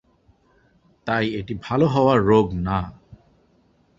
তাই এটি ভালো হওয়ার রোগ না।